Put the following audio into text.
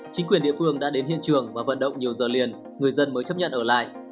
chính quyền địa phương đã đến hiện trường và vận động nhiều giờ liền người dân mới chấp nhận ở lại